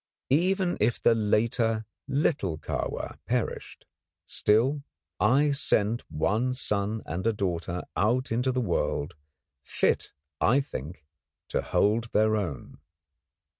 Even if the later little Kahwa perished, still, I sent one son and a daughter out into the world, fit I think, to hold their own.